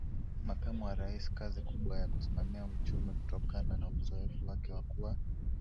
Makamu wa Rais kazi kubwa ya kusimamia uchumiKutokana na uzoefu wake wa kuwa